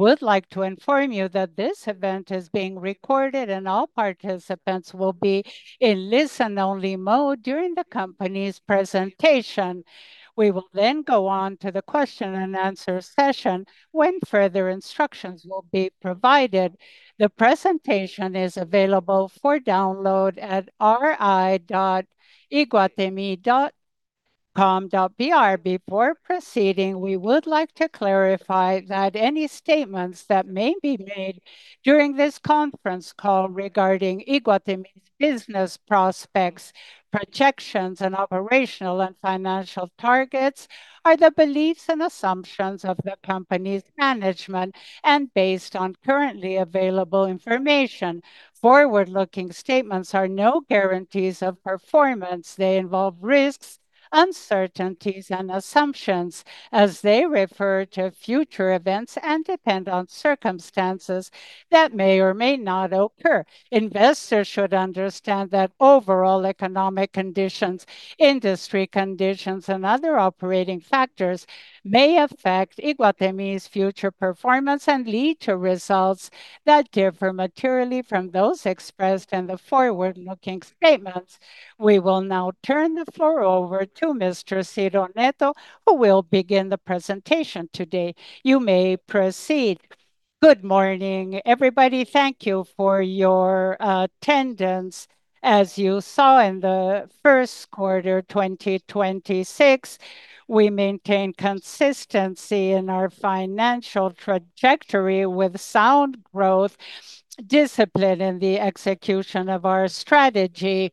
Would like to inform you that this event is being recorded, and all participants will be in listen-only mode during the company's presentation. We will then go on to the question and answer session when further instructions will be provided. The presentation is available for download at ri.iguatemi.com.br. Before proceeding, we would like to clarify that any statements that may be made during this conference call regarding Iguatemi's business prospects, projections, and operational and financial targets are the beliefs and assumptions of the company's management and based on currently available information. Forward-looking statements are no guarantees of performance. They involve risks, uncertainties, and assumptions as they refer to future events and depend on circumstances that may or may not occur. Investors should understand that overall economic conditions, industry conditions, and other operating factors may affect Iguatemi's future performance and lead to results that differ materially from those expressed in the forward-looking statements. We will now turn the floor over to Mr. Ciro Neto, who will begin the presentation today. You may proceed. Good morning, everybody. Thank you for your attendance. As you saw in the first quarter 2026, we maintain consistency in our financial trajectory with sound growth discipline in the execution of our strategy.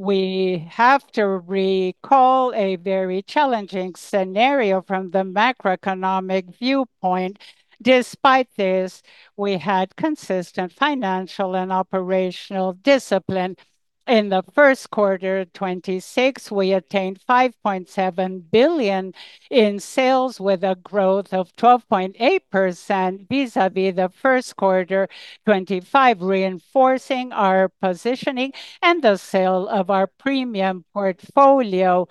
We have to recall a very challenging scenario from the macroeconomic viewpoint. Despite this, we had consistent financial and operational discipline. In the first quarter 2026, we attained 5.7 billion in sales, with a growth of 12.8% vis-à-vis the first quarter 2025, reinforcing our positioning and the sale of our premium portfolio.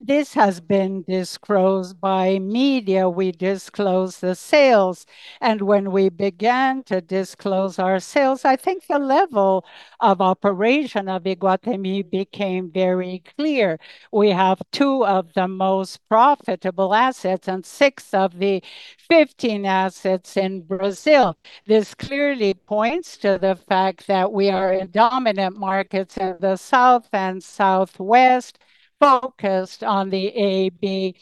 This has been disclosed by media. We disclosed the sales. When we began to disclose our sales, I think the level of operation of Iguatemi became very clear. We have two of the most profitable assets and six of the 15 assets in Brazil. This clearly points to the fact that we are in dominant markets in the south and southwest, focused on the AB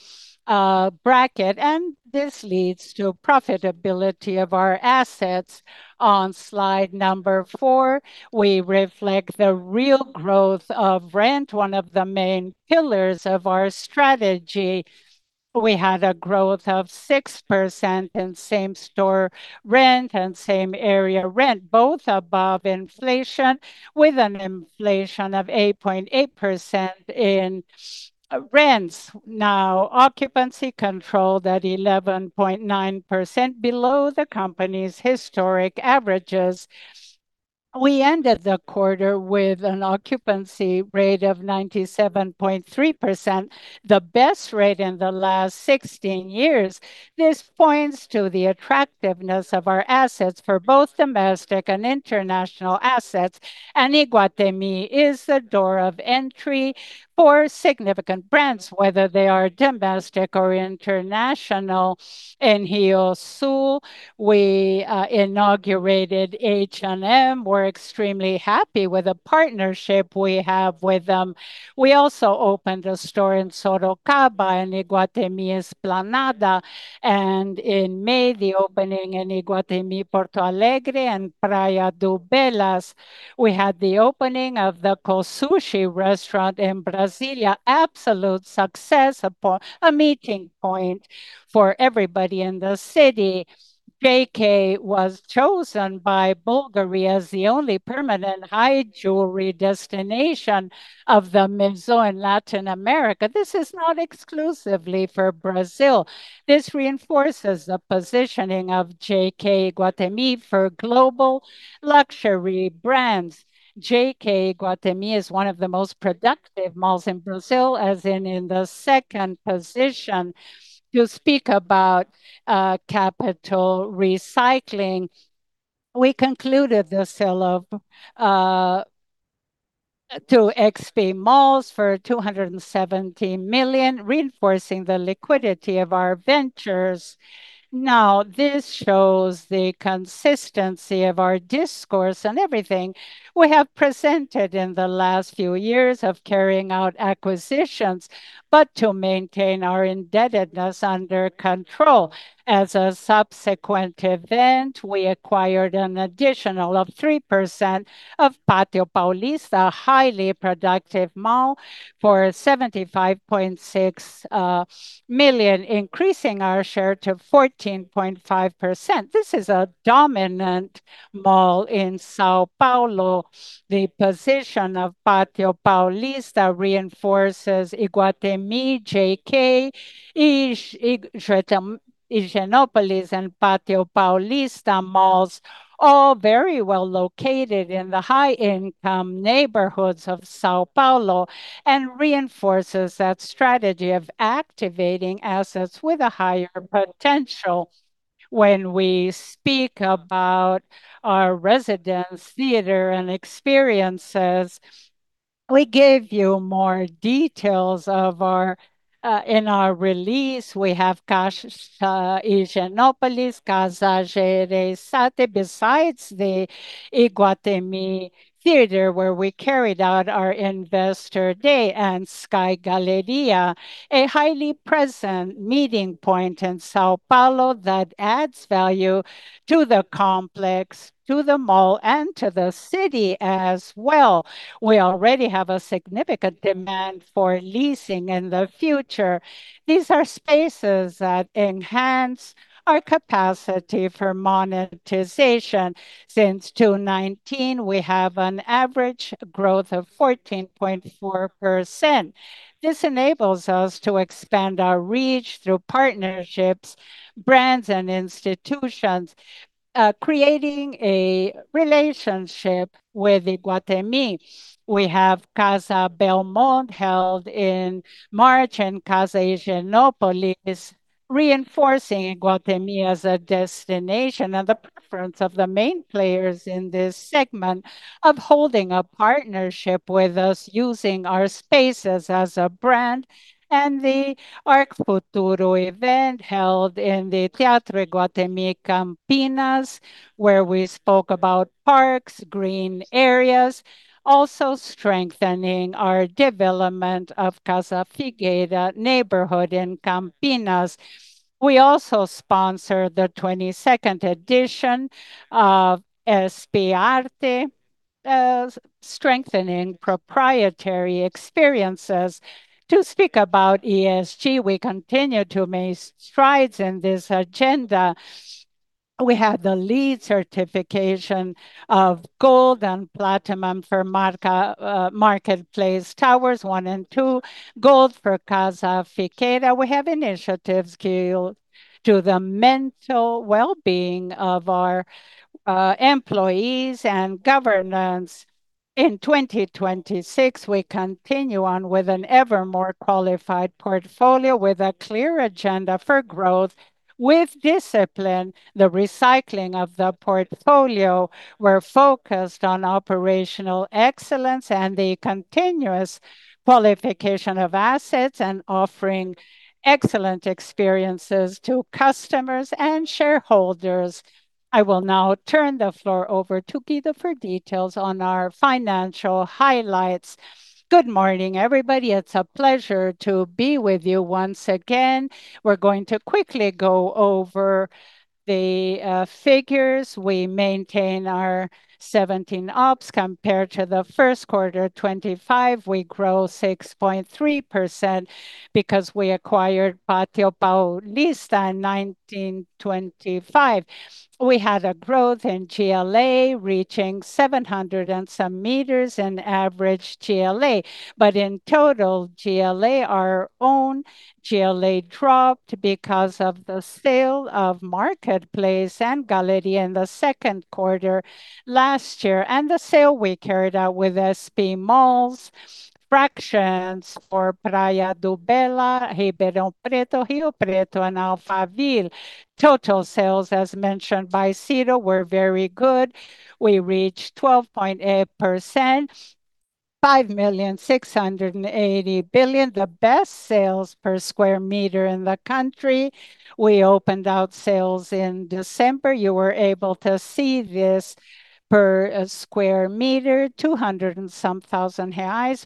bracket, and this leads to profitability of our assets. On slide number four, we reflect the real growth of rent, one of the main pillars of our strategy. We had a growth of 6% in same-store rent and same-area rent, both above inflation, with an inflation of 8.8% in rents. No, occupancy controlled at 11.9% below the company's historic averages. We ended the quarter with an occupancy rate of 97.3%, the best rate in the last 16 years. This points to the attractiveness of our assets for both domestic and international assets. Iguatemi is the door of entry for significant brands, whether they are domestic or international. In RioSul, we inaugurated H&M. We're extremely happy with the partnership we have with them. We also opened a store in Sorocaba in Iguatemi Esplanada. In May, the opening in Iguatemi Porto Alegre and Praia de Belas. We had the opening of the Kosushi restaurant in Brasília, absolute success, a meeting point for everybody in the city. JK was chosen by Bulgari as the only permanent high jewelry destination of the Maison in Latin America. This is not exclusively for Brazil. This reinforces the positioning of JK Iguatemi for global luxury brands. JK Iguatemi is one of the most productive malls in Brazil, as in the second position. To speak about capital recycling, we concluded the sale to XP Malls for 270 million, reinforcing the liquidity of our ventures. This shows the consistency of our discourse and everything we have presented in the last few years of carrying out acquisitions, but to maintain our indebtedness under control. As a subsequent event, we acquired an additional 3% of Pátio Paulista, a highly productive mall, for 75.6 million, increasing our share to 14.5%. This is a dominant mall in São Paulo. The position of Pátio Paulista reinforces Iguatemi JK, Higienópolis, and Pátio Paulista malls, all very well located in the high-income neighborhoods of São Paulo, and reinforces that strategy of activating assets with a higher potential. When we speak about our residents, theater, and experiences, we gave you more details in our release. We have Casa Higienópolis, Casa de Rezende, besides the Iguatemi Theater, where we carried out our investor day, and Sky Galleria, a highly present meeting point in São Paulo that adds value to the complex, to the mall, and to the city as well. We already have a significant demand for leasing in the future. These are spaces that enhance our capacity for monetization. Since 2019, we have an average growth of 14.4%. This enables us to expand our reach through partnerships, brands, and institutions, creating a relationship with Iguatemi. We have Casa Balmain held in March and Casa Higienópolis, reinforcing Iguatemi as a destination and the preference of the main players in this segment of holding a partnership with us using our spaces as a brand. The Arq Futuro event held in the Teatro Iguatemi Campinas, where we spoke about parks, green areas, also strengthening our development of Casa Figueira neighborhood in Campinas. We also sponsored the 22nd edition of SP-Arte, strengthening proprietary experiences. To speak about ESG, we continue to make strides in this agenda. We had the LEED certification of gold and platinum for Marketplace Towers I and II, gold for Casa Figueira. We have initiatives geared to the mental well-being of our employees and governance. In 2026, we continue on with an ever more qualified portfolio with a clear agenda for growth. With discipline, the recycling of the portfolio, we're focused on operational excellence and the continuous qualification of assets and offering excellent experiences to customers and shareholders. I will now turn the floor over to Guido for details on our financial highlights. Good morning, everybody. It's a pleasure to be with you once again. We're going to quickly go over the figures. We maintain our 17 ops compared to 1Q 2025. We grow 6.3% because we acquired Pátio Paulista in 1925. We had a growth in GLA, reaching 700 and some meters in average GLA. In total GLA, our own GLA dropped because of the sale of Marketplace and Galleria in the second quarter last year, and the sale we carried out with XP Malls fractions for Praia de Belas, Ribeirão Preto, Rio Preto, and Alphaville. Total sales, as mentioned by Ciro, were very good. We reached 12.8%, 5.68 billion, the best sales per square meter in the country. We opened out sales in December. You were able to see this per square meter, 200 and some thousand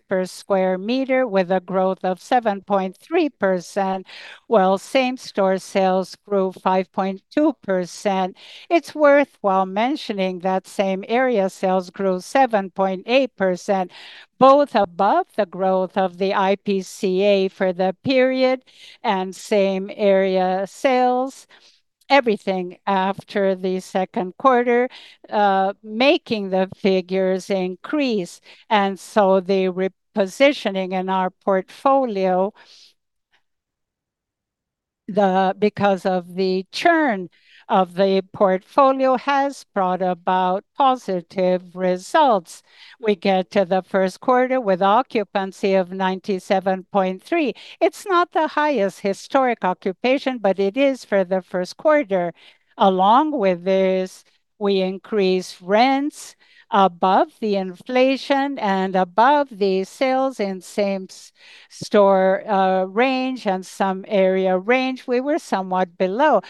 per square meter with a growth of 7.3%, while same store sales grew 5.2%. It's worthwhile mentioning that same area sales grew 7.8%, both above the growth of the IPCA for the period and same area sales. Everything after the second quarter, making the figures increase. The repositioning in our portfolio, because of the churn of the portfolio, has brought about positive results. We get to the first quarter with occupancy of 97.3%. It's not the highest historic occupancy, but it is for the first quarter. Along with this, we increase rents above the inflation and above the sales in same store range and some area range. We were somewhat below.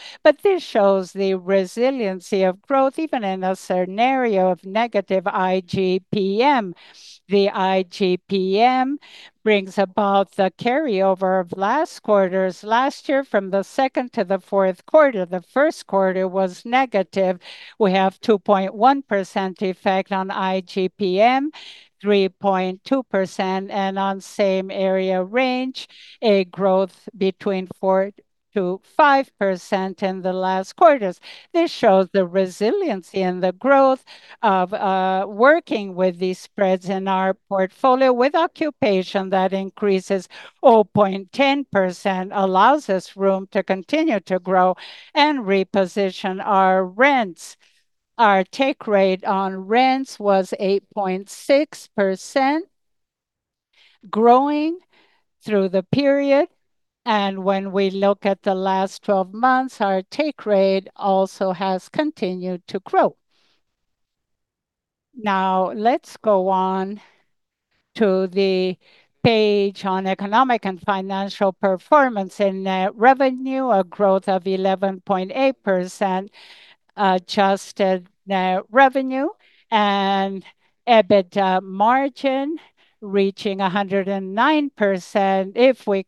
This shows the resiliency of growth even in a scenario of negative IGPM. The IGPM brings about the carryover of last year from the second to the fourth quarter. The first quarter was negative. We have 2.1% effect on IGPM, 3.2%, and on same area range, a growth between 4%-5% in the last quarters. This shows the resiliency and the growth of working with these spreads in our portfolio with occupation that increases 0.10%, allows us room to continue to grow and reposition our rents. Our take rate on rents was 8.6%. Growing through the period. When we look at the last 12 months, our take rate also has continued to grow. Let's go on to the page on economic and financial performance. In net revenue, a growth of 11.8% Adjusted net revenue. EBITDA margin reaching 109% if we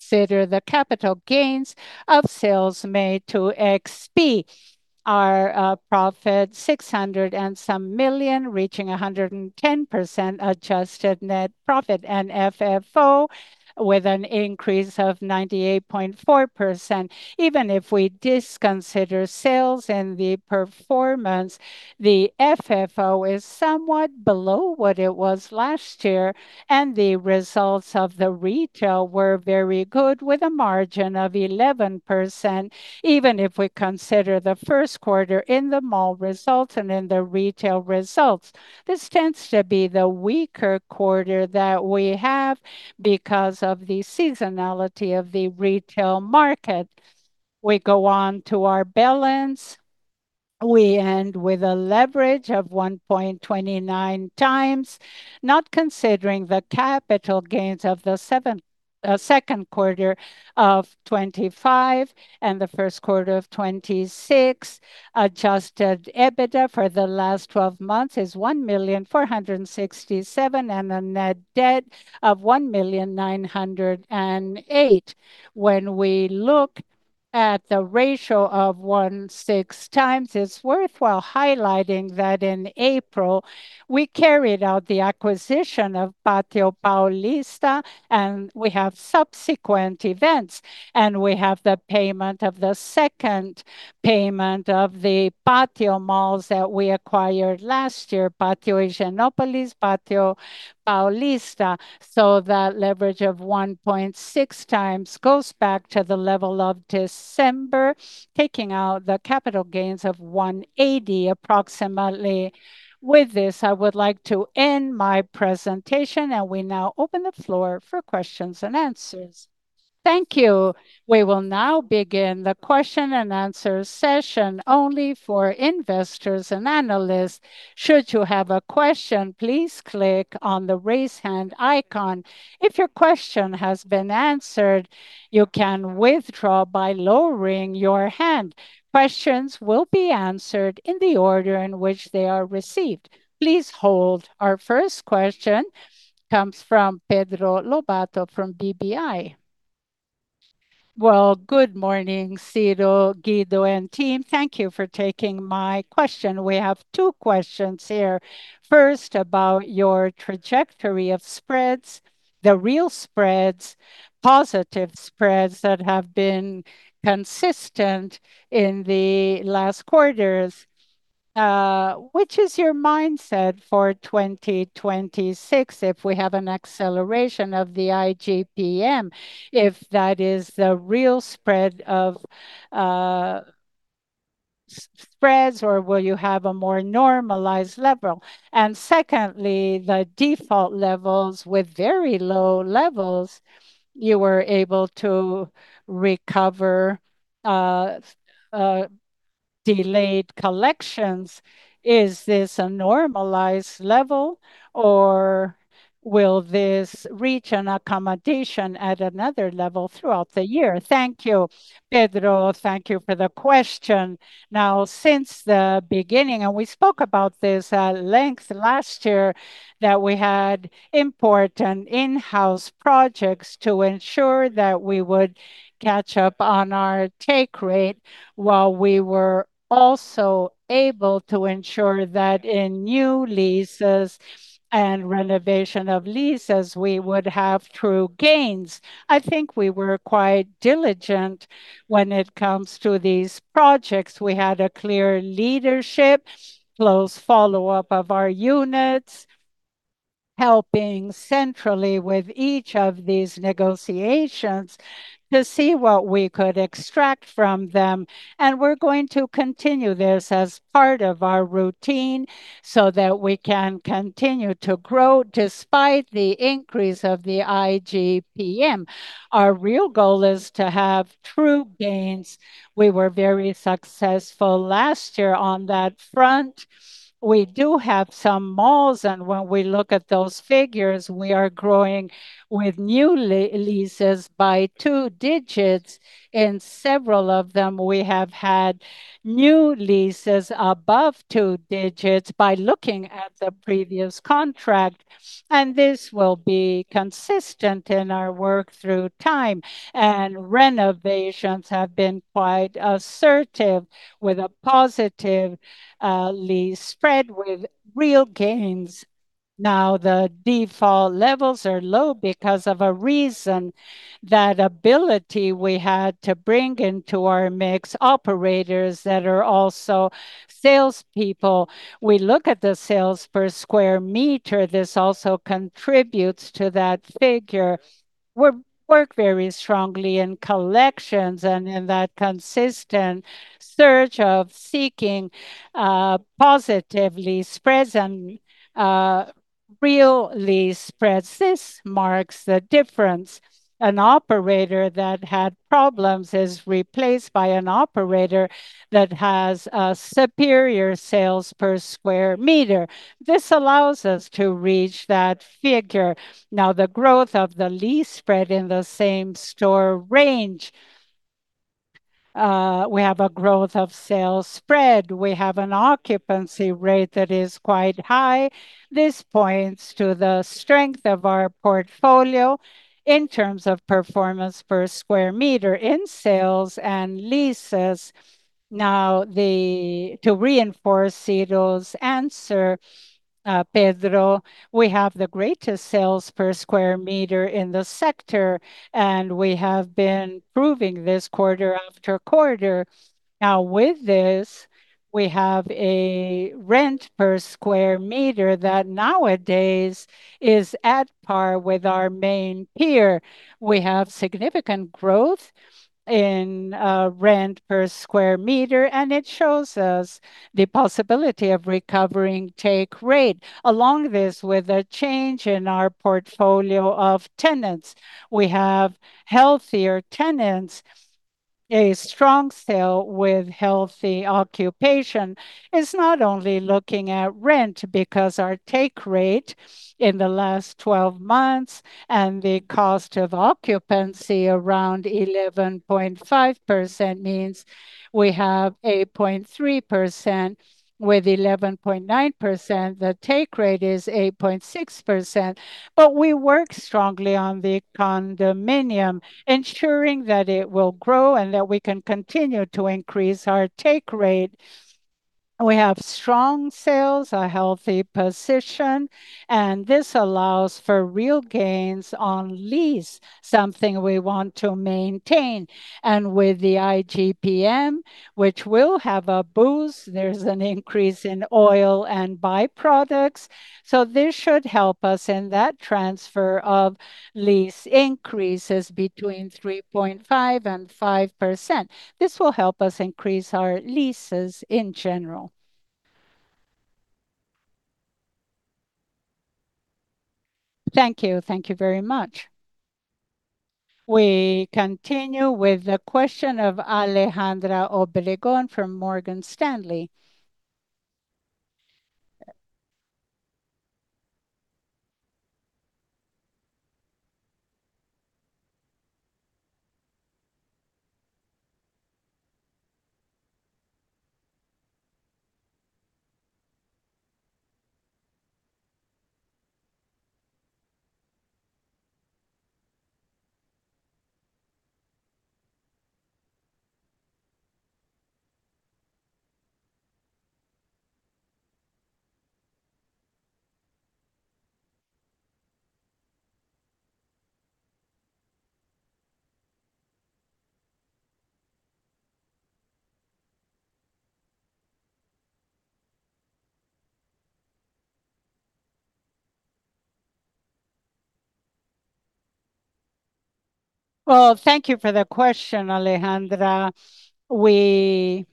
consider the capital gains of sales made to XP. Our profit 600 and some million, reaching 110% Adjusted net profit. FFO with an increase of 98.4%. Even if we disconsider sales and the performance, the FFO is somewhat below what it was last year. The results of the retail were very good with a margin of 11%. Even if we consider the first quarter in the mall results and in the retail results, this tends to be the weaker quarter that we have because of the seasonality of the retail market. We go on to our balance. We end with a leverage of 1.29x, not considering the capital gains of the second quarter of 2025 and the first quarter of 2026. Adjusted EBITDA for the last 12 months is 1.467 million and a net debt of 1.908 million. We look at the ratio of 1.6x, it's worthwhile highlighting that in April we carried out the acquisition of Pátio Paulista, and we have subsequent events. We have the payment of the second payment of the Pátio malls that we acquired last year, Pátio Higienópolis, Shopping Pátio Paulista. That leverage of 1.6x goes back to the level of December, taking out the capital gains of 180 approximately. With this, I would like to end my presentation, and we now open the floor for questions and answers. Thank you. We will now begin the question and answer session only for investors and analysts. Should you have a question, please click on the Raise Hand icon. If your question has been answered, you can withdraw by lowering your hand. Questions will be answered in the order in which they are received. Please hold. Our first question comes from Pedro Lobato from BBI. Good morning, Ciro, Guido, and team. Thank you for taking my question. We have two questions here. First, about your trajectory of spreads, the real spreads, positive spreads that have been consistent in the last quarters. Which is your mindset for 2026 if we have an acceleration of the IGPM? If that is the real spread of spreads, or will you have a more normalized level? Secondly, the default levels with very low levels you were able to recover, uh, delayed collections. Is this a normalized level, or will this reach an accommodation at another level throughout the year? Thank you. Pedro, thank you for the question. Since the beginning, we spoke about this at length last year, that we had important in-house projects to ensure that we would catch up on our take rate while we were also able to ensure that in new leases and renovation of leases, we would have true gains. I think we were quite diligent when it comes to these projects. We had a clear leadership, close follow-up of our units, helping centrally with each of these negotiations to see what we could extract from them. We're going to continue this as part of our routine so that we can continue to grow despite the increase of the IGPM. Our real goal is to have true gains. We were very successful last year on that front. We do have some malls, and when we look at those figures, we are growing with new leases by two digits. In several of them, we have had new leases above two digits by looking at the previous contract, and this will be consistent in our work through time. Renovations have been quite assertive with a positive lease spread with real gains. Now, the default levels are low because of a reason that ability we had to bring into our mix operators that are also salespeople. We look at the sales per square meter. This also contributes to that figure. We work very strongly in collections and in that consistent search of seeking positively spreads and real lease spreads. This marks the difference. An operator that had problems is replaced by an operator that has a superior sales per square meter. This allows us to reach that figure. The growth of the lease spread in the same-store range, we have a growth of sales spread. We have an occupancy rate that is quite high. This points to the strength of our portfolio in terms of performance per square meter in sales and leases. To reinforce Ciro's answer, Pedro, we have the greatest sales per square meter in the sector, and we have been proving this quarter after quarter. With this, we have a rent per square meter that nowadays is at par with our main peer. We have significant growth in rent per square meter, and it shows us the possibility of recovering take rate. Along this, with a change in our portfolio of tenants, we have healthier tenants. A strong sale with healthy occupation is not only looking at rent because our take rate in the last 12 months and the cost of occupancy around 11.5% means we have 8.3%. With 11.9%, the take rate is 8.6%. We work strongly on the condominium, ensuring that it will grow and that we can continue to increase our take rate. We have strong sales, a healthy position, and this allows for real gains on lease, something we want to maintain. With the IGPM, which will have a boost, there's an increase in oil and byproducts, so this should help us in that transfer of lease increases between 3.5% and 5%. This will help us increase our leases in general. Thank you. Thank you very much. We continue with the question of Alejandra Obregón from Morgan Stanley. Well, thank you for the question, Alejandra. We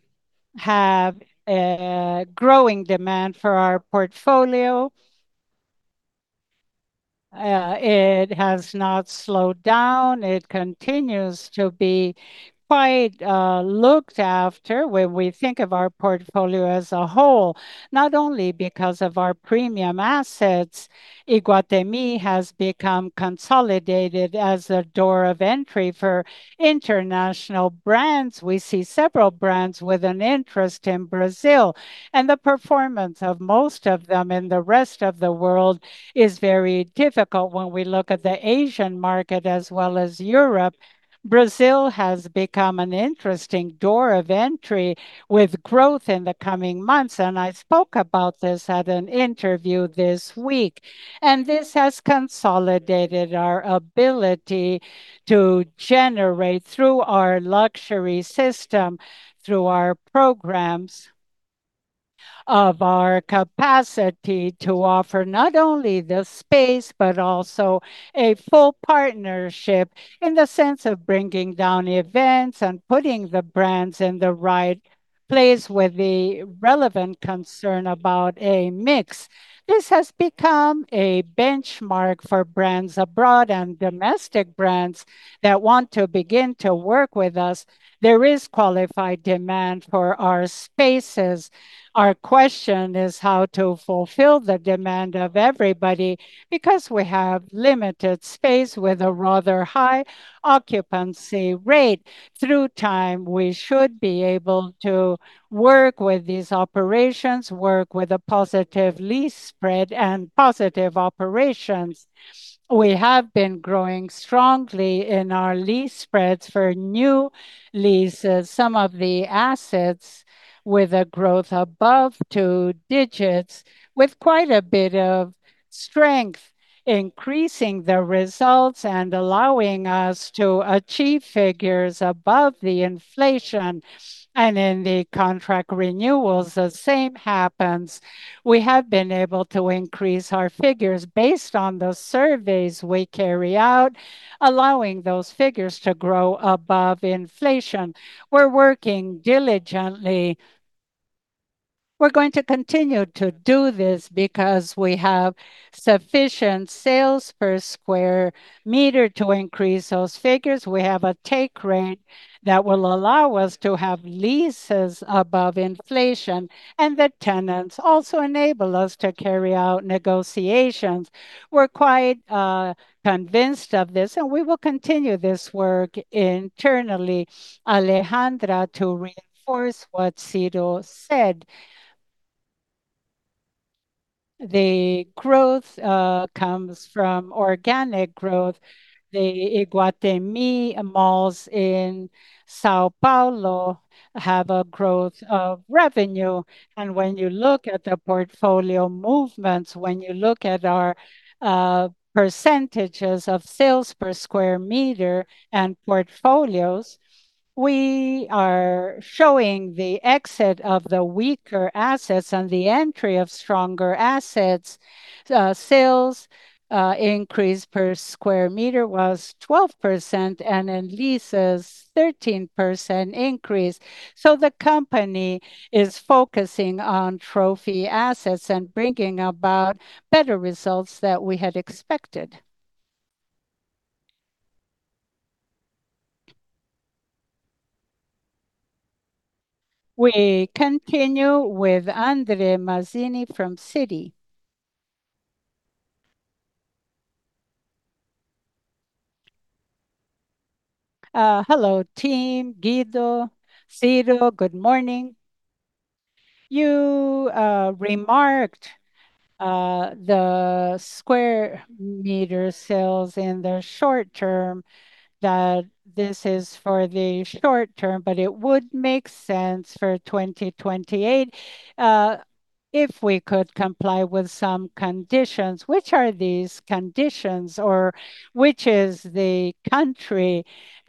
have a growing demand for our portfolio. It has not slowed down. It continues to be quite looked after when we think of our portfolio as a whole, not only because of our premium assets. Iguatemi has become consolidated as a door of entry for international brands. We see several brands with an interest in Brazil, and the performance of most of them in the rest of the world is very difficult when we look at the Asian market as well as Europe. Brazil has become an interesting door of entry with growth in the coming months, and I spoke about this at an interview this week. This has consolidated our ability to generate through our luxury system, through our programs of our capacity to offer not only the space, but also a full partnership in the sense of bringing down events and putting the brands in the right place with the relevant concern about a mix. This has become a benchmark for brands abroad and domestic brands that want to begin to work with us. There is qualified demand for our spaces. Our question is how to fulfill the demand of everybody because we have limited space with a rather high occupancy rate. Through time, we should be able to work with these operations, work with a positive lease spread, and positive operations. We have been growing strongly in our lease spreads for new leases. Some of the assets with a growth above two digits with quite a bit of strength, increasing the results and allowing us to achieve figures above the inflation. In the contract renewals, the same happens. We have been able to increase our figures based on the surveys we carry out, allowing those figures to grow above inflation. We're working diligently. We're going to continue to do this because we have sufficient sales per square meter to increase those figures. We have a take rate that will allow us to have leases above inflation, and the tenants also enable us to carry out negotiations. We're quite convinced of this, and we will continue this work internally. Alejandra, to reinforce what Ciro said. The growth comes from organic growth. The Iguatemi malls in São Paulo have a growth of revenue. When you look at the portfolio movements, when you look at our percentages of sales per square meter and portfolios, we are showing the exit of the weaker assets and the entry of stronger assets. Sales increase per square meter was 12%, and in leases, 13% increase. The company is focusing on trophy assets and bringing about better results that we had expected. We continue with Andre Mazini from Citi. Hello team, Guido, Ciro. Good morning. You remarked the square meter sales in the short term, that this is for the short term, but it would make sense for 2028 if we could comply with some conditions. Which are these conditions, or which is the country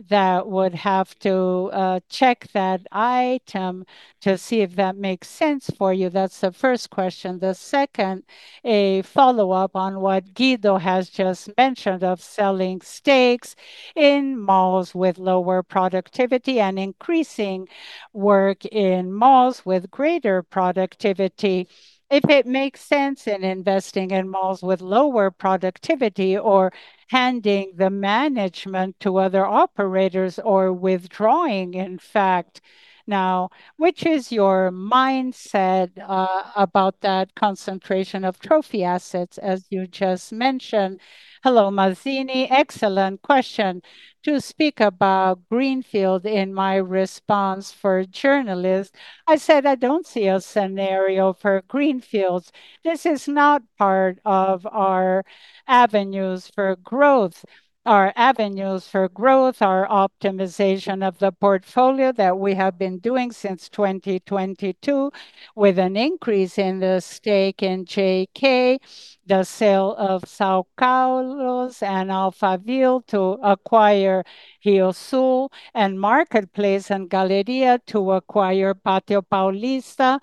that would have to check that item to see if that makes sense for you? That's the first question. The second, a follow-up on what Guido has just mentioned of selling stakes in malls with lower productivity and increasing work in malls with greater productivity. If it makes sense in investing in malls with lower productivity or handing the management to other operators or withdrawing, in fact, now which is your mindset about that concentration of trophy assets, as you just mentioned? Hello, Mazini. Excellent question. To speak about greenfield in my response for journalists, I said I don't see a scenario for greenfields. This is not part of our avenues for growth. Our avenues for growth are optimization of the portfolio that we have been doing since 2022 with an increase in the stake in JK, the sale of São Carlos and Alphaville to acquire RioSul and Marketplace and Galleria to acquire Pátio Paulista,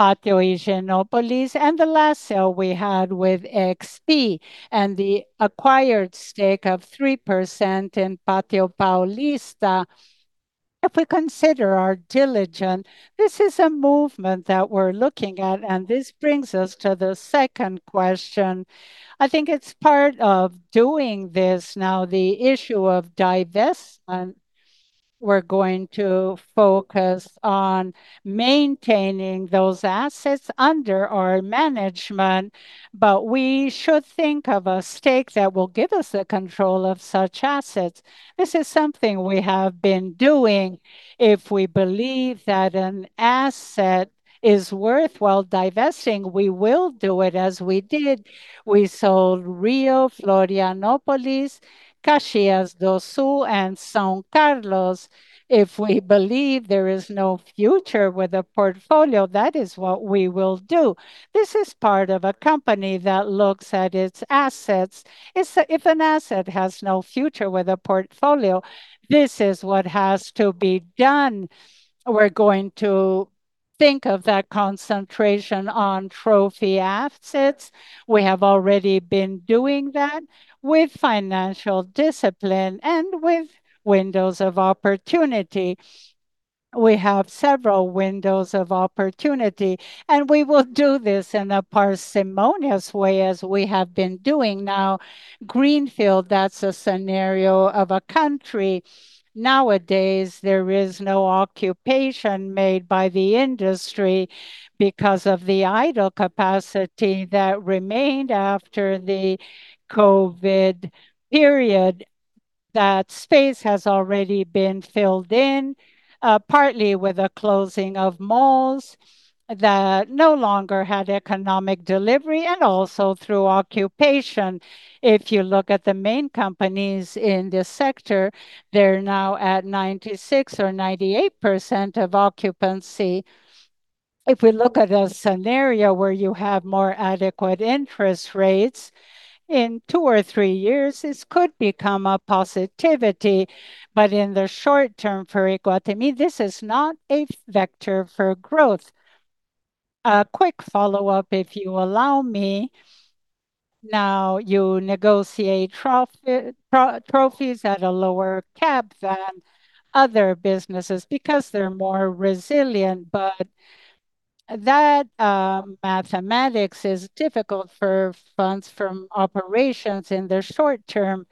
Pátio Higienópolis, and the last sale we had with XP, and the acquired stake of 3% in Pátio Paulista. If we consider our diligent, this is a movement that we're looking at, and this brings us to the second question. I think it's part of doing this now, the issue of divestment. We're going to focus on maintaining those assets under our management. We should think of a stake that will give us the control of such assets. This is something we have been doing. If we believe that an asset is worthwhile divesting, we will do it as we did. We sold Rio, Florianópolis, Caxias do Sul and São Carlos. If we believe there is no future with a portfolio, that is what we will do. This is part of a company that looks at its assets. If an asset has no future with a portfolio, this is what has to be done. We're going to think of that concentration on trophy assets. We have already been doing that with financial discipline and with windows of opportunity. We have several windows of opportunity, we will do this in a parsimonious way as we have been doing. Now, greenfield, that's a scenario of a country. Nowadays, there is no occupation made by the industry because of the idle capacity that remained after the COVID period. That space has already been filled in, partly with the closing of malls that no longer had economic delivery and also through occupation. If you look at the main companies in this sector, they're now at 96% or 98% of occupancy. If we look at a scenario where you have more adequate interest rates, in two or three years, this could become a positivity. In the short term for Iguatemi, this is not a vector for growth. A quick follow-up, if you allow me. Now you negotiate trophies at a lower cap than other businesses because they're more resilient. That mathematics is difficult for funds from operations in the short term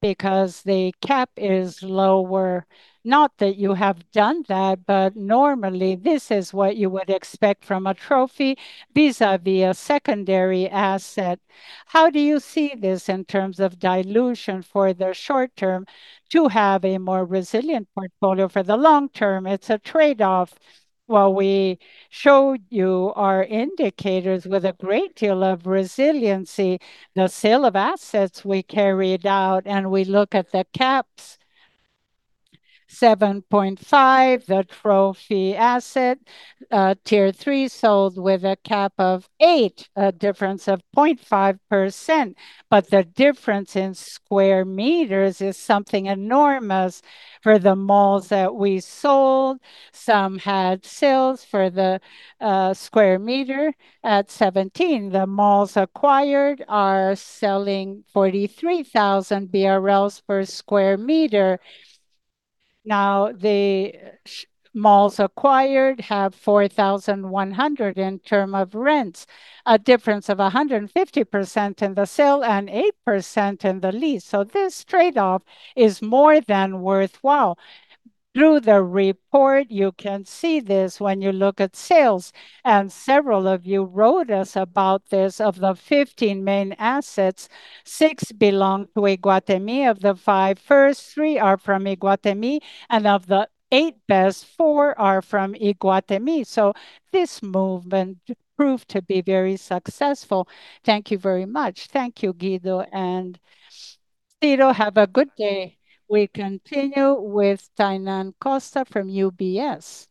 because the cap is lower. Not that you have done that, normally this is what you would expect from a trophy vis-a-vis a secondary asset. How do you see this in terms of dilution for the short term to have a more resilient portfolio for the long term? It's a trade-off. While we showed you our indicators with a great deal of resiliency, the sale of assets we carried out, and we look at the caps, 7.5%, the trophy asset, Tier 3 sold with a cap of 8%, a difference of 0.5%. The difference in square meters is something enormous for the malls that we sold. Some had sales for the square meters at 17. The malls acquired are selling 43,000 BRL per square meters. The malls acquired have 4,100 in term of rents, a difference of 150% in the sale and 8% in the lease. This trade-off is more than worthwhile. Through the report, you can see this when you look at sales, and several of you wrote us about this. Of the 15 main assets, six belong to Iguatemi. Of the five first three are from Iguatemi, and of the eight best, four are from Iguatemi. This movement proved to be very successful. Thank you very much. Thank you, Guido and Ciro. Have a good day. We continue with Tainan Costa from UBS.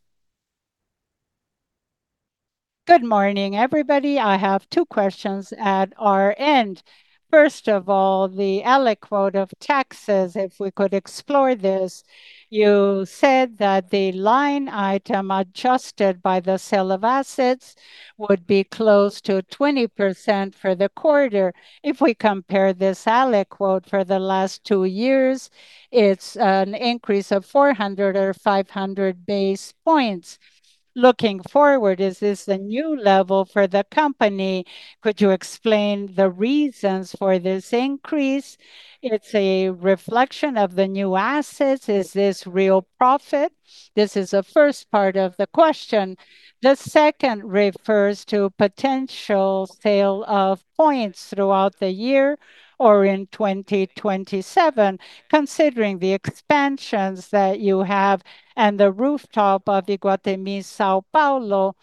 Good morning, everybody. I have two questions at our end. First of all, the aliquote of taxes, if we could explore this. You said that the line item adjusted by the sale of assets would be close to 20% for the quarter. If we compare this aliquote for the last two years, it's an increase of 400 or 500 basis points. Looking forward, is this the new level for the company? Could you explain the reasons for this increase? It's a reflection of the new assets. Is this real profit? This is the first part of the question. The second refers to potential sale of points throughout the year or in 2027, considering the expansions that you have and the rooftop of Iguatemi São Paulo,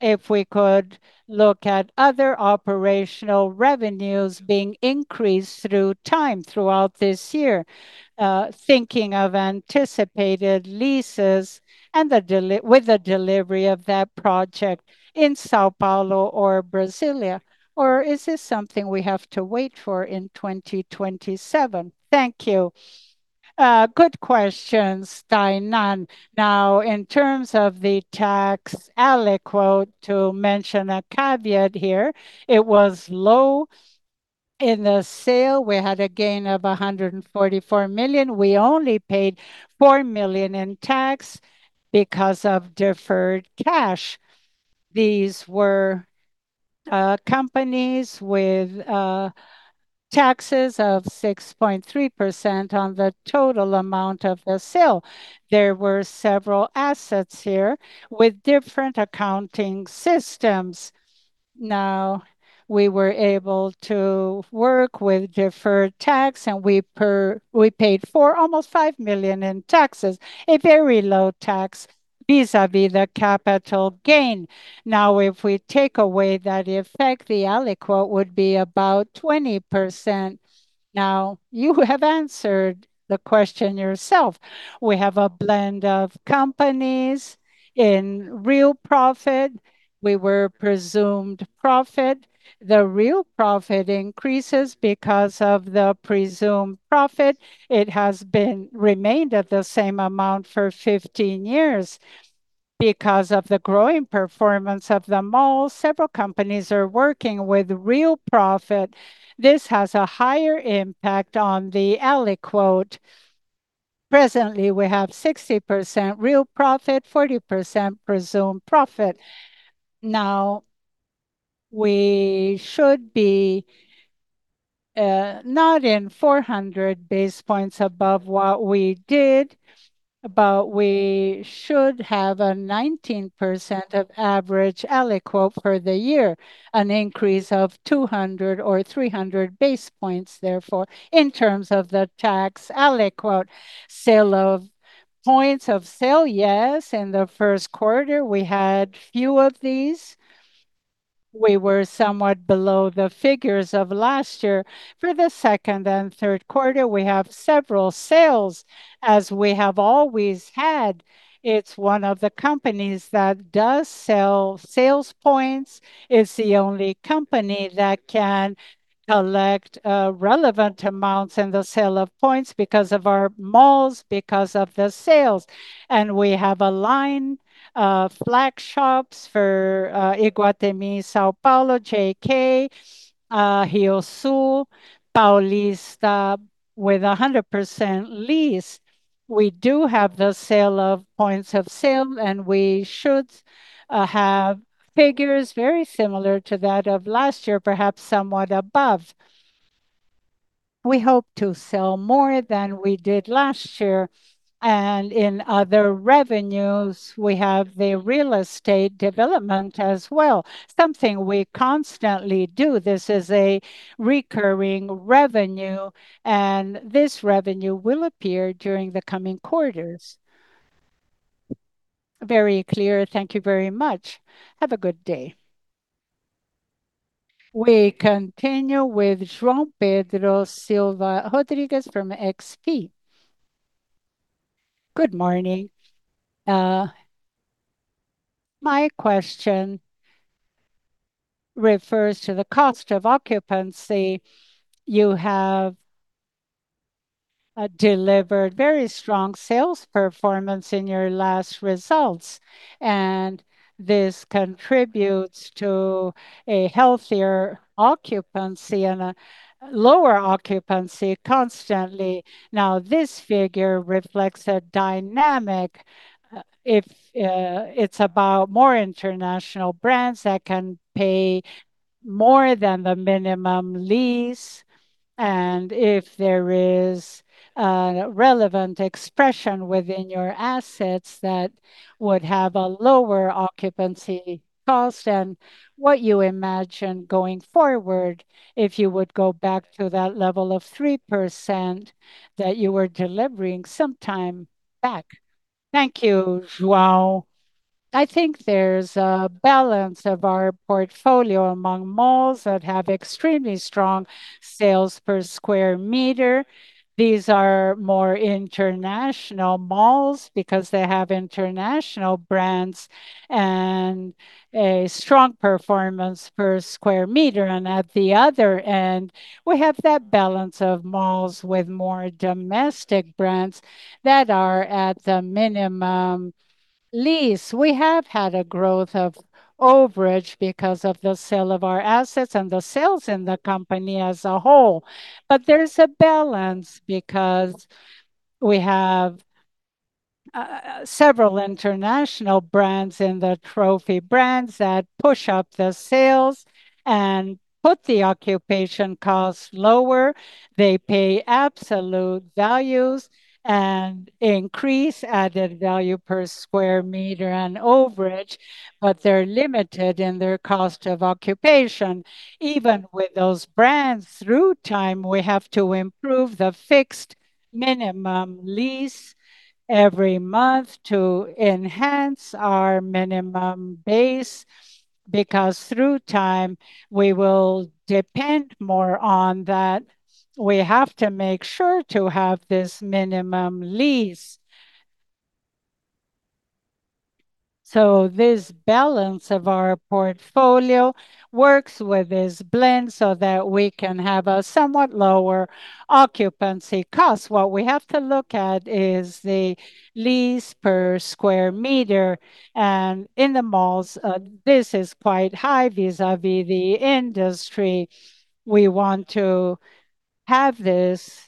if we could look at other operational revenues being increased through time throughout this year, thinking of anticipated leases with the delivery of that project in São Paulo or Brasília, or is this something we have to wait for in 2027? Thank you. Good questions, Tainan. Now, in terms of the tax aliquote, to mention a caveat here, it was low. In the sale, we had a gain of 144 million. We only paid 4 million in tax because of deferred cash. These were companies with taxes of 6.3% on the total amount of the sale. There were several assets here with different accounting systems. We were able to work with deferred tax, and we paid almost 5 million in taxes, a very low tax vis-a-vis the capital gain. If we take away that effect, the aliquote would be about 20%. You have answered the question yourself. We have a blend of companies in real profit. We were presumed profit. The real profit increases because of the presumed profit. It has remained at the same amount for 15 years. Because of the growing performance of the mall, several companies are working with real profit. This has a higher impact on the aliquote. Presently, we have 60% real profit, 40% presumed profit. We should be not in 400 basis points above what we did, but we should have a 19% of average aliquote for the year, an increase of 200 or 300 basis points, therefore, in terms of the tax aliquote. Points of sale, yes, in the first quarter we had few of these. We were somewhat below the figures of last year. For the second and third quarter, we have several sales, as we have always had. It's one of the companies that does sell sales points. It's the only company that can collect relevant amounts in the sale of points because of our malls, because of the sales. We have a line of flag shops for Iguatemi São Paulo, JK, RioSul, Paulista with 100% lease. We do have the sale of points of sale, we should have figures very similar to that of last year, perhaps somewhat above. We hope to sell more than we did last year. In other revenues, we have the real estate development as well, something we constantly do. This is a recurring revenue, this revenue will appear during the coming quarters. Very clear. Thank you very much. Have a good day. We continue with João Pedro Silva Rodrigues from XP. Good morning. My question refers to the cost of occupancy. You have delivered very strong sales performance in your last results, this contributes to a healthier occupancy and a lower occupancy constantly. Now, this figure reflects a dynamic, if it's about more international brands that can pay more than the minimum lease, and if there is a relevant expression within your assets that would have a lower occupancy cost and what you imagine going forward if you would go back to that level of 3% that you were delivering some time back. Thank you, João. I think there's a balance of our portfolio among malls that have extremely strong sales per square meter. These are more international malls because they have international brands and a strong performance per square meter. At the other end, we have that balance of malls with more domestic brands that are at the minimum lease. We have had a growth of overage because of the sale of our assets and the sales in the company as a whole. There's a balance because we have several international brands in the trophy brands that push up the sales and put the occupation costs lower. They pay absolute values and increase added value per square meter and overage, but they're limited in their cost of occupation. Even with those brands, through time, we have to improve the fixed minimum lease every month to enhance our minimum base, because through time we will depend more on that. We have to make sure to have this minimum lease. This balance of our portfolio works with this blend so that we can have a somewhat lower occupancy cost. What we have to look at is the lease per square meter, and in the malls, this is quite high vis-à-vis the industry. We want to have this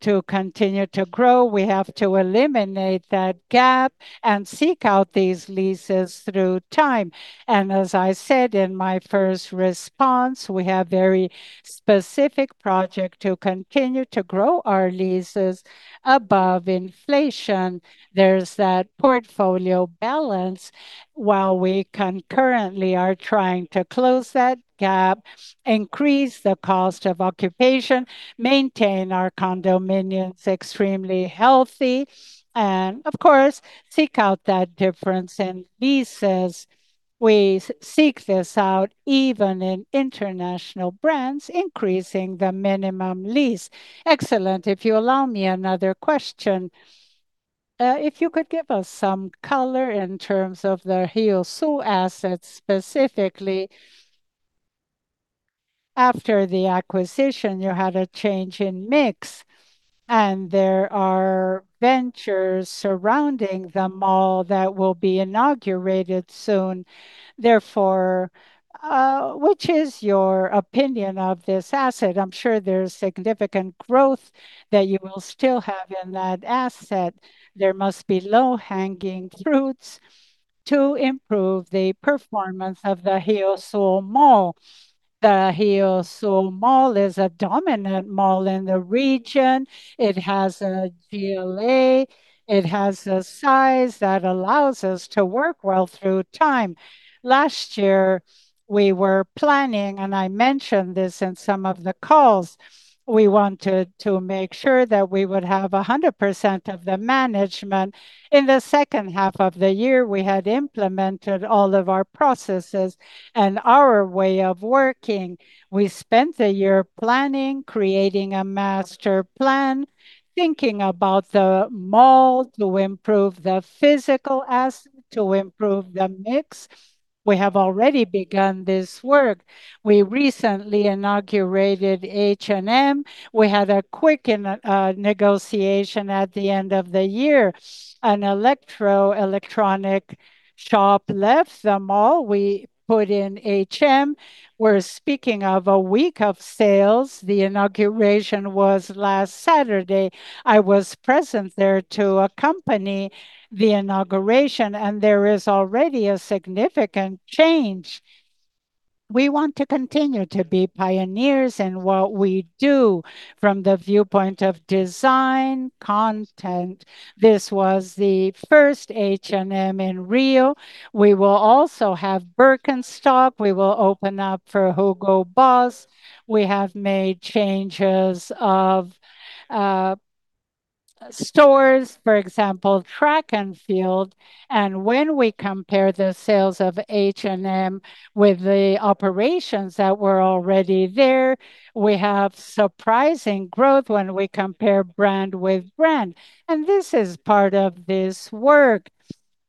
to continue to grow. We have to eliminate that gap and seek out these leases through time. As I said in my first response, we have very specific project to continue to grow our leases above inflation. There's that portfolio balance while we concurrently are trying to close that gap, increase the cost of occupation, maintain our condominiums extremely healthy, and of course, seek out that difference in leases. We seek this out even in international brands, increasing the minimum lease. Excellent. If you allow me another question. If you could give us some color in terms of the RioSul assets specifically. After the acquisition, you had a change in mix, and there are ventures surrounding the mall that will be inaugurated soon. Which is your opinion of this asset? I'm sure there's significant growth that you will still have in that asset. There must be low-hanging fruits to improve the performance of the RioSul Mall. The RioSul Mall is a dominant mall in the region. It has a GLA. It has a size that allows us to work well through time. Last year, we were planning, and I mentioned this in some of the calls, we wanted to make sure that we would have 100% of the management. In the second half of the year, we had implemented all of our processes and our way of working. We spent the year planning, creating a master plan, thinking about the mall to improve the physical asset, to improve the mix. We have already begun this work. We recently inaugurated H&M. We had a quick negotiation at the end of the year. An electronic shop left the mall. We put in H&M. We're speaking of a week of sales. The inauguration was last Saturday. I was present there to accompany the inauguration, and there is already a significant change. We want to continue to be pioneers in what we do from the viewpoint of design, content. This was the first H&M in Rio. We will also have Birkenstock. We will open up for Hugo Boss. We have made changes of stores, for example, Track & Field. When we compare the sales of H&M with the operations that were already there, we have surprising growth when we compare brand with brand, and this is part of this work.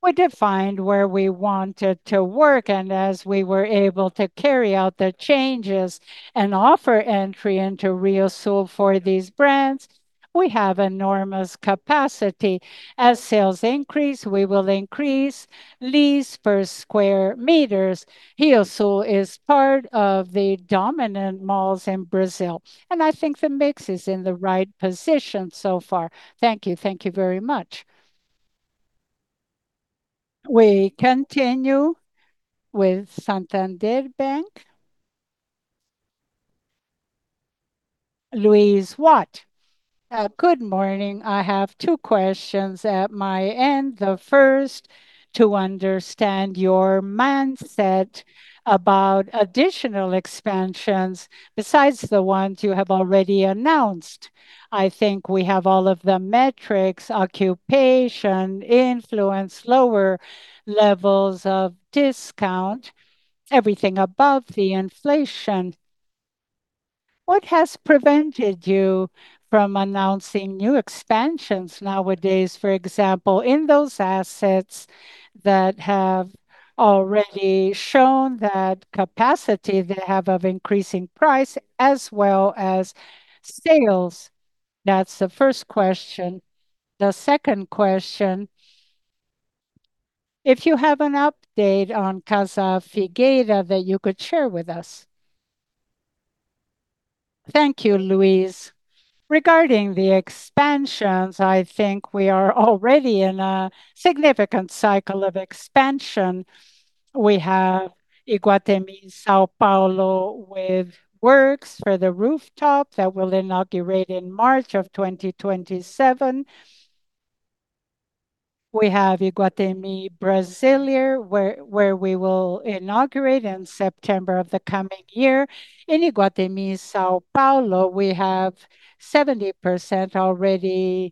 We defined where we wanted to work, and as we were able to carry out the changes and offer entry into RioSul for these brands, we have enormous capacity. As sales increase, we will increase lease per square meters. RioSul is part of the dominant malls in Brazil. I think the mix is in the right position so far. Thank you. Thank you very much. We continue with Santander Bank. Luiz Watt. Good morning. I have two questions at my end. The first question is to understand your mindset about additional expansions besides the ones you have already announced. I think we have all of the metrics, occupation, influence, lower levels of discount, everything above the inflation. What has prevented you from announcing new expansions nowadays, for example, in those assets that have already shown that capacity they have of increasing price as well as sales? That's the first question. The second question, if you have an update on Casa Figueira that you could share with us. Thank you, Luiz. Regarding the expansions, I think we are already in a significant cycle of expansion. We have Iguatemi São Paulo with works for the rooftop that will inaugurate in March of 2027. We have Iguatemi Brasília, where we will inaugurate in September of the coming year. In Iguatemi São Paulo, we have 70% already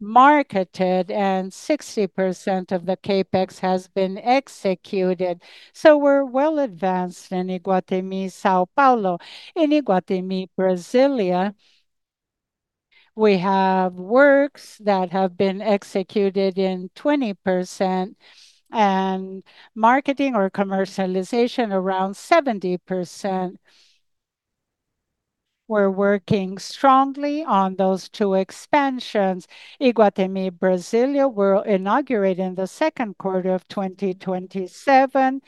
marketed, and 60% of the CapEx has been executed, so we're well advanced in Iguatemi São Paulo. In Iguatemi Brasília, we have works that have been executed in 20% and marketing or commercialization around 70%. We're working strongly on those two expansions. Iguatemi Brasília will inaugurate in the second quarter of 2027,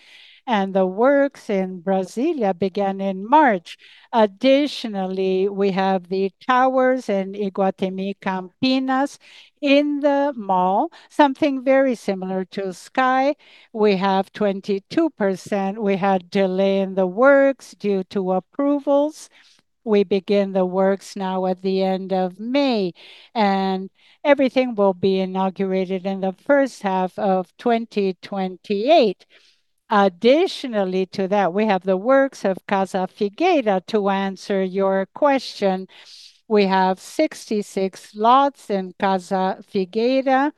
and the works in Brasília began in March. Additionally, we have the towers in Iguatemi Campinas. In the mall, something very similar to Sky, we have 22%. We had delay in the works due to approvals. We begin the works now at the end of May. Everything will be inaugurated in the first half of 2028. Additionally to that, we have the works of Casa Figueira, to answer your question. We have 66 lots in Casa Figueira.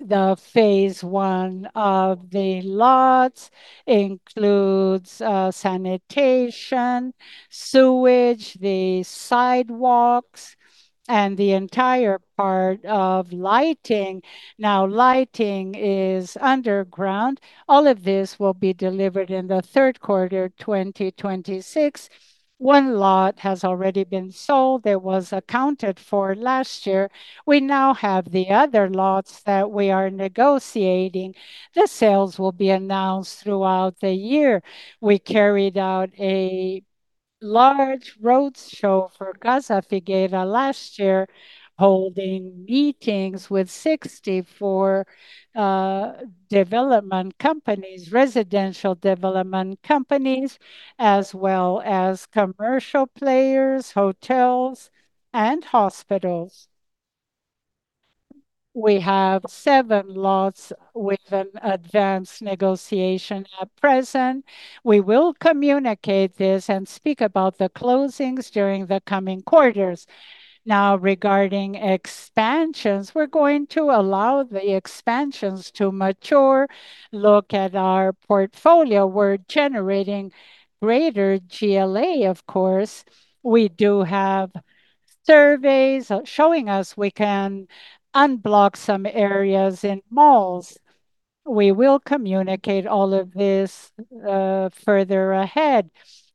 The phase I of the lots includes sanitation, sewage, the sidewalks, and the entire part of lighting. Lighting is underground. All of this will be delivered in the third quarter 2026. One lot has already been sold. It was accounted for last year. We now have the other lots that we are negotiating. The sales will be announced throughout the year. We carried out a large road show for Casa Figueira last year, holding meetings with 64 development companies, residential development companies, as well as commercial players, hotels, and hospitals. We have seven lots with an advanced negotiation at present. We will communicate this and speak about the closing during the xoming quarters. Regarding expansions, we're going to allow the expansions to mature. Look at our portfolio. We're generating greater GLA, of course. We do have surveys showing us we can unblock some areas in malls. We will communicate all of this further ahead.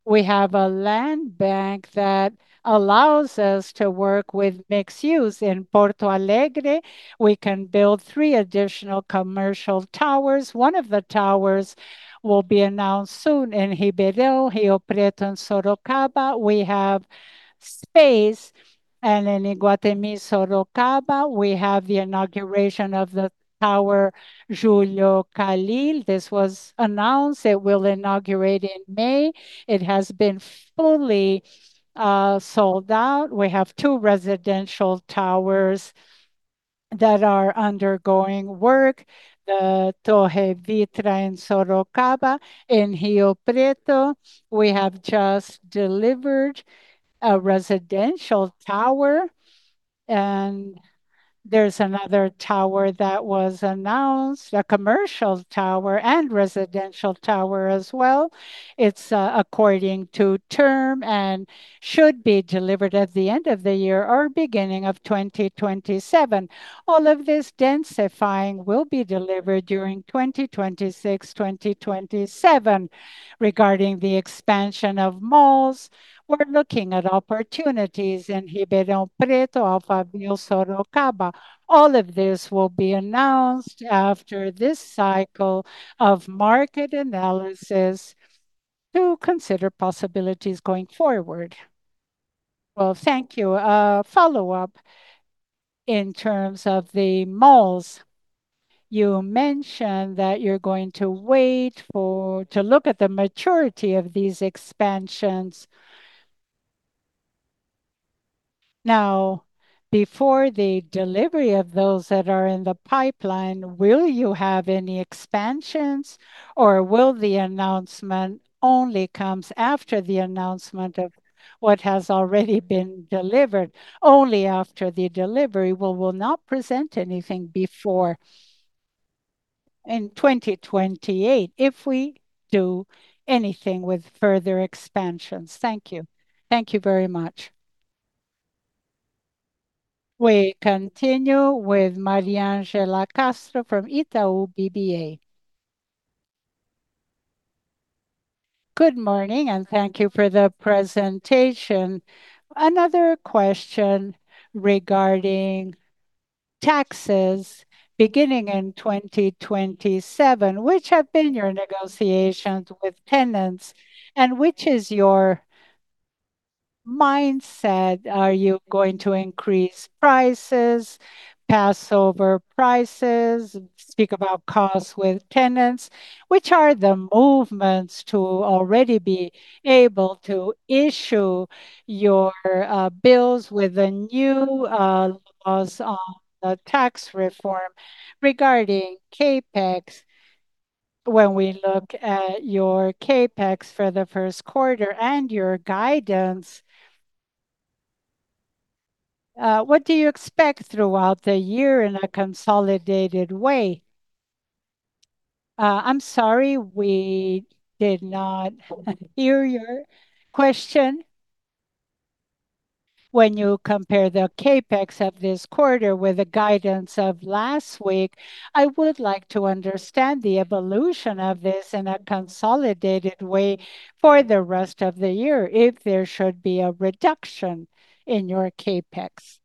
We have a land bank that allows us to work with mixed use. In Porto Alegre, we can build three additional commercial towers. One of the towers will be announced soon in Ribeirão Preto, Rio Preto, in Sorocaba. We have space. In Iguatemi Sorocaba, we have the inauguration of the tower Júlio Kalil. This was announced. It will inaugurate in May. It has been fully sold out. We have two residential towers that are undergoing work. The Torre Vitra in Sorocaba. In Rio Preto, we have just delivered a residential tower, and there's another tower that was announced, a commercial tower and residential tower as well. It's according to term and should be delivered at the end of the year or beginning of 2027. All of this densifying will be delivered during 2026, 2027. Regarding the expansion of malls, we're looking at opportunities in Ribeirão Preto, Alphaville, Sorocaba. All of this will be announced after this cycle of market analysis to consider possibilities going forward. Well, thank you. Follow-up. In terms of the malls, you mentioned that you're going to wait to look at the maturity of these expansions. Before the delivery of those that are in the pipeline, will you have any expansions, or will the announcement only comes after the announcement of what has already been delivered? Only after the delivery. We will not present anything before in 2028 if we do anything with further expansions. Thank you. Thank you very much. We continue with Mariangela Castro from Itaú BBA. Good morning. Thank you for the presentation. Another question regarding taxes. Beginning in 2027, which have been your negotiations with tenants, and which is your mindset? Are you going to increase prices, pass over prices, speak about costs with tenants? Which are the movements to already be able to issue your bills with the new laws on the tax reform? Regarding CapEx, when we look at your CapEx for the first quarter and your guidance, what do you expect throughout the year in a consolidated way? I'm sorry, we did not hear your question. When you compare the CapEx of this quarter with the guidance of last week, I would like to understand the evolution of this in a consolidated way for the rest of the year if there should be a reduction in your CapEx.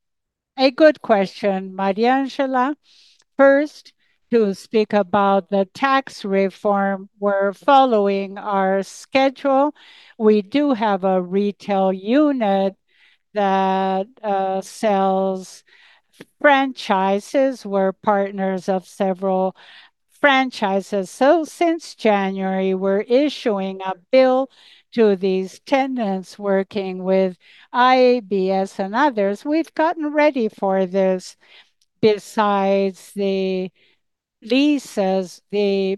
A good question, Mariangela. First, to speak about the tax reform, we're following our schedule. We do have a retail unit that sells franchises. We're partners of several franchises. Since January, we're issuing a bill to these tenants working with IBS and others. We've gotten ready for this. Besides the leases, the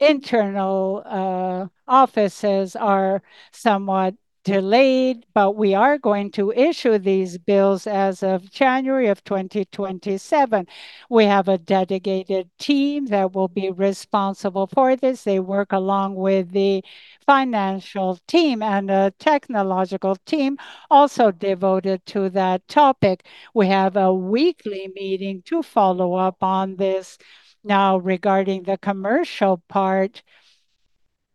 internal offices are somewhat delayed, but we are going to issue these bills as of January 2027. We have a dedicated team that will be responsible for this. They work along with the financial team and a technological team also devoted to that topic. We have a weekly meeting to follow up on this. Regarding the commercial part,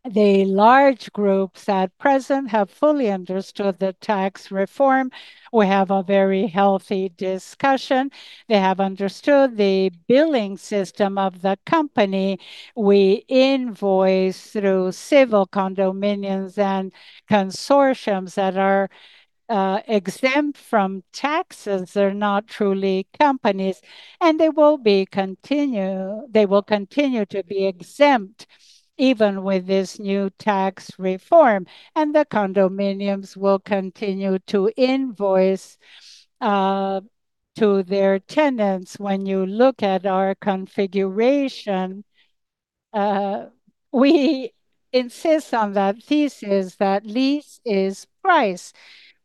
the large groups at present have fully understood the tax reform. We have a very healthy discussion. They have understood the billing system of the company. We invoice through civil condominiums and consortiums that are exempt from taxes. They're not truly companies, they will continue to be exempt even with this new tax reform. The condominiums will continue to invoice to their tenants. When you look at our configuration, we insist on that thesis that lease is price.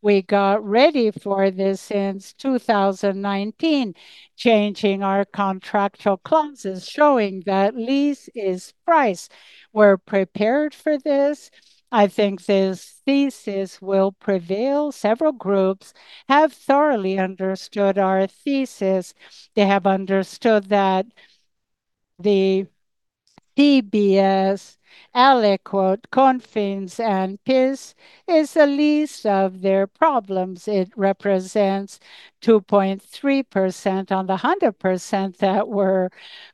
We got ready for this since 2019, changing our contractual clauses, showing that lease is price. We're prepared for this. I think this thesis will prevail. Several groups have thoroughly understood our thesis. They have understood that the CBS, Aliquote, COFINS, and PIS is the least of their problems. It represents 2.3% on the 100% that we're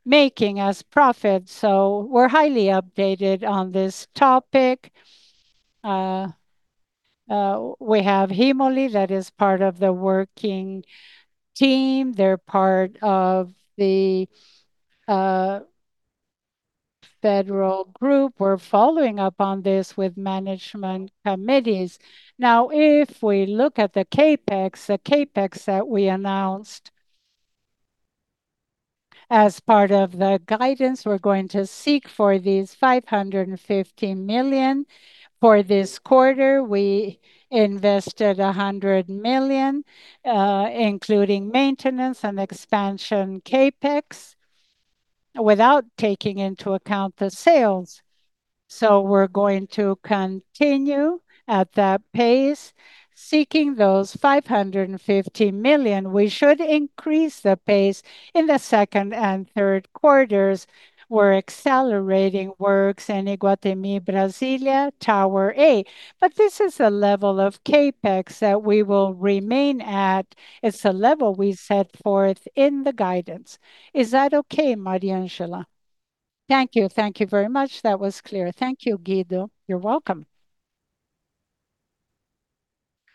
making as profit. We're highly updated on this topic. We have Hemole that is part of the working team. They're part of the Federal group. We're following up on this with management committees. If we look at the CapEx, the CapEx that we announced as part of the guidance, we're going to seek for these 550 million. For this quarter, we invested 100 million, including maintenance and expansion CapEx, without taking into account the sales. We're going to continue at that pace, seeking those 550 million. We should increase the pace in the second and third quarters. We're accelerating works in Iguatemi Brasília, Tower A. This is a level of CapEx that we will remain at. It's a level we set forth in the guidance. Is that okay, Mariangela? Thank you. Thank you very much. That was clear. Thank you, Guido. You're welcome.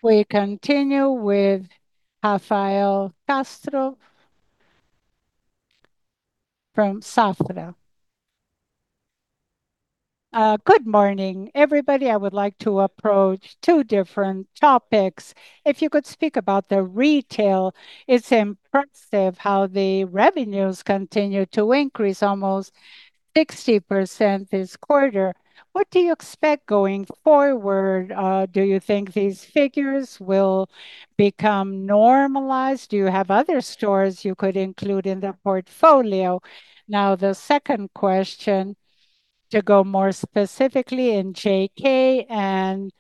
We continue with Rafael Castro from Safra. Good morning, everybody. I would like to approach two different topics. If you could speak about the retail, it's impressive how the revenues continue to increase almost 60% this quarter. What do you expect going forward? Do you think these figures will become normalized? Do you have other stores you could include in the portfolio? The second question, to go more specifically in JK and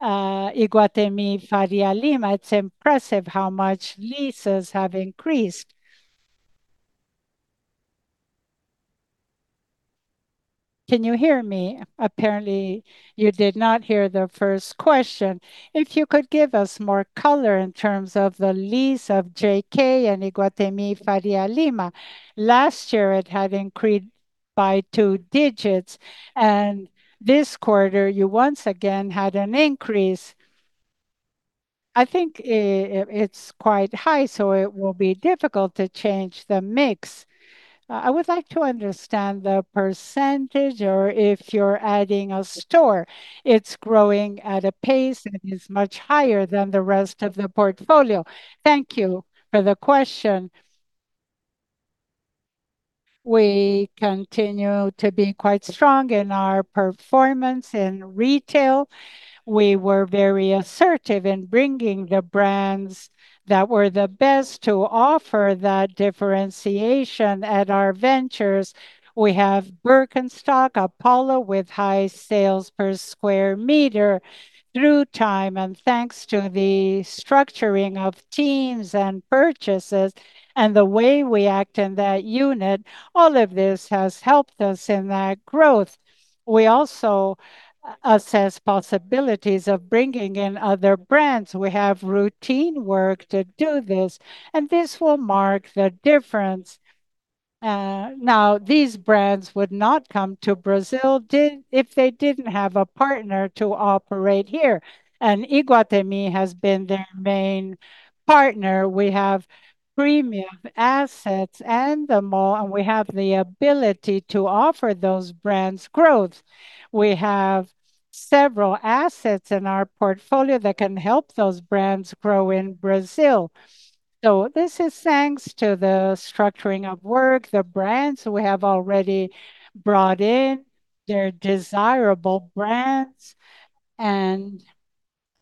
Iguatemi Faria Lima, it's impressive how much leases have increased. Can you hear me? Apparently, you did not hear the first question. If you could give us more color in terms of the lease of J.K. and Iguatemi Faria Lima. Last year, it had increased by two digits, and this quarter you once again had an increase. I think it's quite high, so it will be difficult to change the mix. I would like to understand the percentage or if you're adding a store. It's growing at a pace that is much higher than the rest of the portfolio. Thank you for the question. We continue to be quite strong in our performance in retail. We were very assertive in bringing the brands that were the best to offer that differentiation at our ventures. We have Birkenstock, Apollo, with high sales per square meter. Through time, thanks to the structuring of teams and purchases and the way we act in that unit, all of this has helped us in that growth. We also assess possibilities of bringing in other brands. We have routine work to do this, and this will mark the difference. Now these brands would not come to Brazil if they didn't have a partner to operate here, and Iguatemi has been their main partner. We have premium assets and the mall, and we have the ability to offer those brands growth. We have several assets in our portfolio that can help those brands grow in Brazil. This is thanks to the structuring of work, the brands we have already brought in. They're desirable brands, and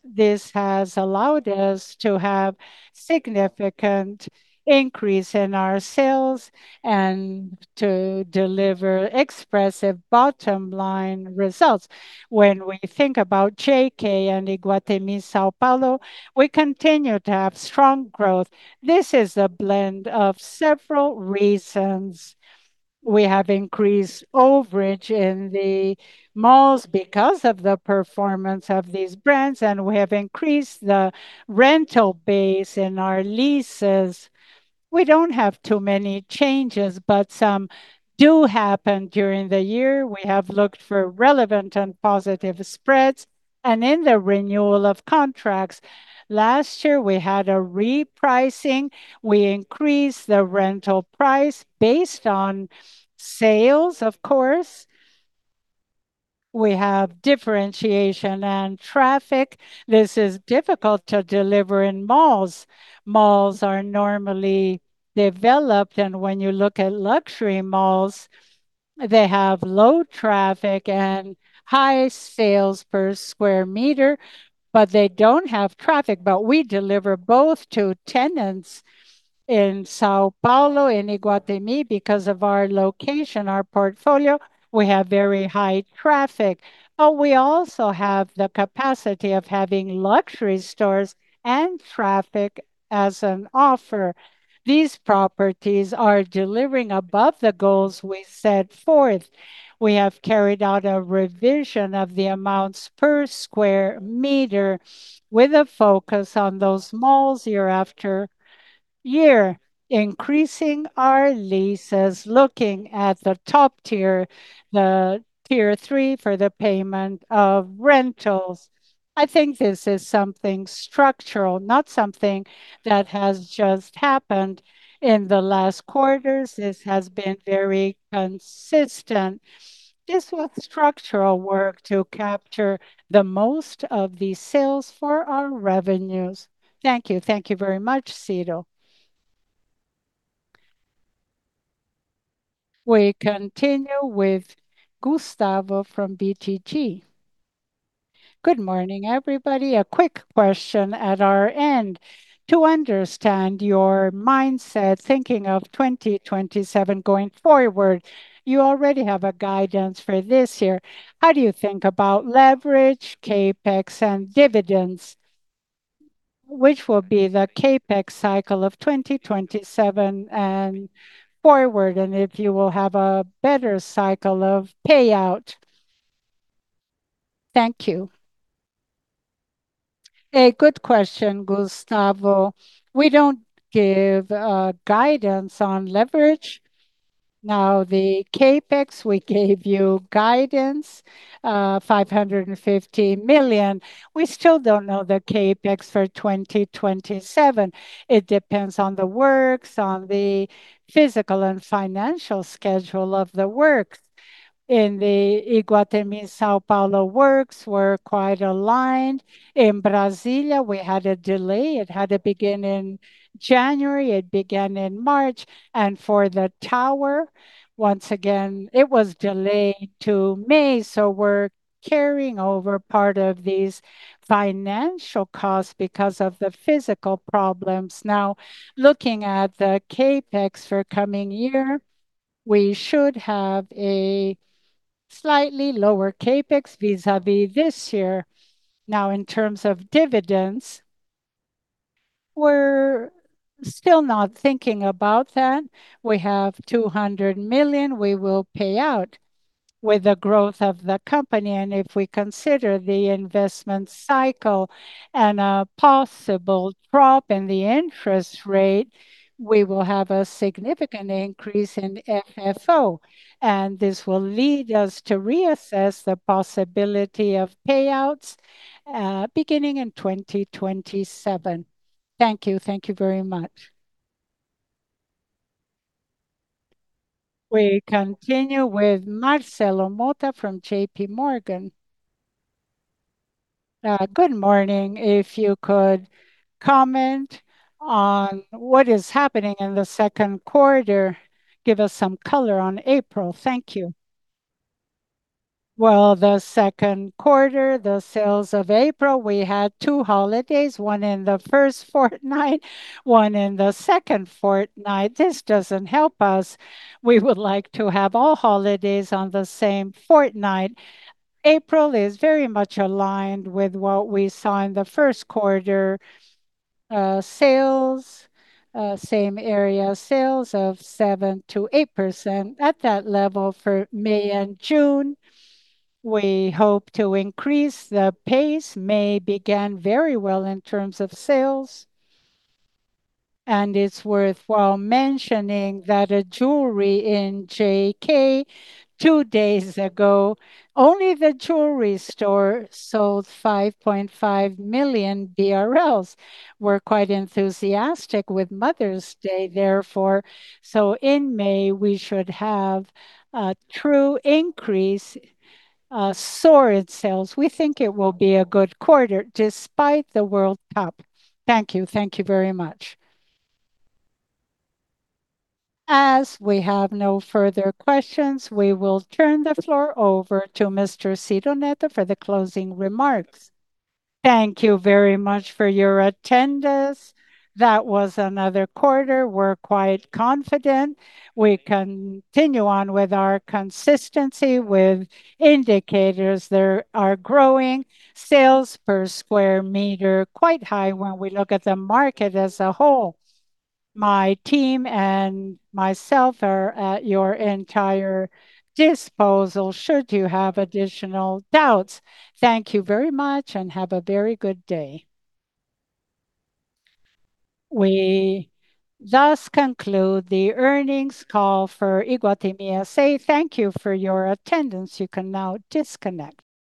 this has allowed us to have significant increase in our sales and to deliver expressive bottom line results. When we think about JK and Iguatemi São Paulo, we continue to have strong growth. This is a blend of several reasons. We have increased overage in the malls because of the performance of these brands, and we have increased the rental base in our leases. We don't have too many changes, but some do happen during the year. We have looked for relevant and positive spreads and in the renewal of contracts. Last year, we had a repricing. We increased the rental price based on sales, of course. We have differentiation and traffic. This is difficult to deliver in malls. Malls are normally developed, and when you look at luxury malls, they have low traffic and high sales per square meter, but they don't have traffic. We deliver both to tenants in São Paulo, in Iguatemi. Because of our location, our portfolio, we have very high traffic. We also have the capacity of having luxury stores and traffic as an offer. These properties are delivering above the goals we set forth. We have carried out a revision of the amounts per square meter with a focus on those malls year after year, increasing our leases, looking at the top tier, the Tier 3 for the payment of rentals. I think this is something structural, not something that has just happened in the last quarters. This has been very consistent. This was structural work to capture the most of the sales for our revenues. Thank you. Thank you very much, Ciro. We continue with Gustavo from BTG. Good morning, everybody. A quick question at our end to understand your mindset thinking of 2027 going forward. You already have a guidance for this year. How do you think about leverage, CapEx, and dividends? Which will be the CapEx cycle of 2027 and forward, and if you will have a better cycle of payout? Thank you. A good question, Gustavo. We don't give guidance on leverage. Now, the CapEx, we gave you guidance, 550 million. We still don't know the CapEx for 2027. It depends on the works, on the physical and financial schedule of the works. In the Iguatemi São Paulo works, we're quite aligned. In Brasília, we had a delay. It had to begin in January. It began in March. For the tower, once again, it was delayed to May, so we're carrying over part of these financial costs because of the physical problems. Now, looking at the CapEx for coming year, we should have a slightly lower CapEx vis-à-vis this year. Now, in terms of dividends, we're still not thinking about that. We have 200 million we will pay out with the growth of the company. If we consider the investment cycle and a possible drop in the interest rate, we will have a significant increase in FFO, and this will lead us to reassess the possibility of payouts beginning in 2027. Thank you. Thank you very much. We continue with Marcelo Motta from JPMorgan. Good morning. If you could comment on what is happening in the second quarter, give us some color on April. Thank you. The second quarter, the sales of April, we had two holidays, one in the first fortnight, one in the second fortnight. This doesn't help us. We would like to have all holidays on the same fortnight. April is very much aligned with what we saw in the first quarter. Sales, same area sales of 7%-8%. At that level for May and June, we hope to increase the pace. May began very well in terms of sales. It's worthwhile mentioning that a jewelry in JK two days ago, only the jewelry store sold 5.5 million BRL. We're quite enthusiastic with Mother's Day, therefore. In May, we should have a true increase, soared sales. We think it will be a good quarter despite the World Cup. Thank you. Thank you very much. As we have no further questions, we will turn the floor over to Mr. Ciro Neto for the closing remarks. Thank you very much for your attendance. That was another quarter. We're quite confident. We continue on with our consistency with indicators. There are growing sales per square meter, quite high when we look at the market as a whole. My team and myself are at your entire disposal should you have additional doubts. Thank you very much, and have a very good day. We thus conclude the earnings call for Iguatemi S.A. Thank you for your attendance. You can now disconnect.